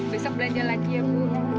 besok belanja lagi ya bu